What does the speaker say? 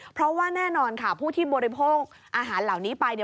เพราะว่าแน่นอนค่ะผู้ที่บริโภคอาหารเหล่านี้ไปเนี่ย